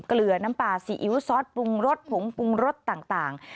เกลือน้ำปลาซีอิ๊วซอสปรุงรสผงปรุงรสต่าง